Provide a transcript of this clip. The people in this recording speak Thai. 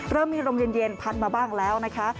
เริ่มมีลมเย็นพัดมาบ้างแล้วนะคะ